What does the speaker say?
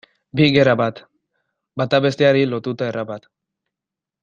Bi gera bat, bata besteari lotuta erabat.